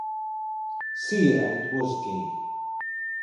Searight was gay.